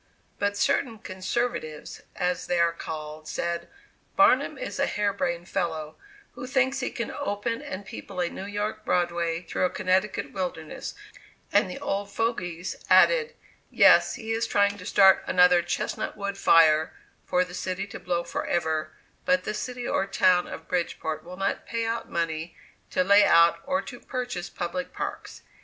But certain "conservatives," as they are called, said: "Barnum is a hair brained fellow, who thinks he can open and people a New York Broadway through a Connecticut wilderness"; and the "old fogies" added: "Yes, he is trying to start another chestnut wood fire for the city to blow forever; but the city or town of Bridgeport will not pay out money to lay out or to purchase public parks.